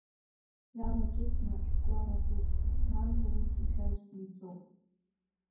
Иалакьысма шәгәы арахәыцқәа, Мамзар ус ишәаҩсны ицоу?